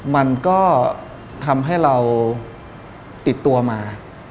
มันก็ทำให้เราปลูกฝังติดตัวมา